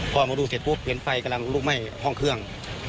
พอออกมาดูเสร็จปุ๊บเห็นไฟกำลังลุกไหม้ห้องเครื่อง